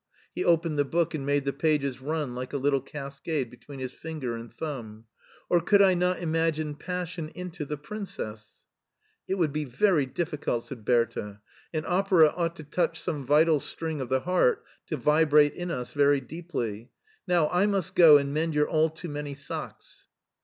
He opened the book and made the pages run like a little cascade between his finger and thumb. " Or could I not imagine passion into the princess ?"" It would be very difficult," said Bertha ;" an opera ought to touch some vital string of the heart to vibrate in us very deeply. Now I must go and mend your all too many socks."